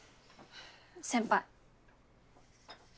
先輩。